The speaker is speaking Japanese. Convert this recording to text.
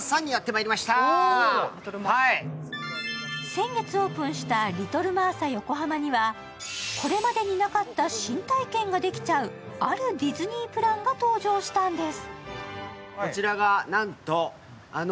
先月オープンしたリトル・マーサ横浜にはこれまでになかった新体験ができちゃうあるディズニープランが登場したんです。